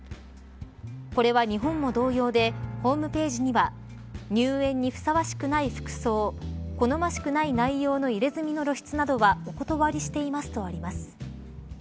これは日本も同様でホームページには入園にふさわしくない服装好ましくない内容の入れ墨の露出などはお断りしていますとあります。